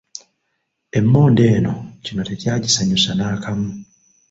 Emmondo eno, kino tekyagisanyusa n'akamu .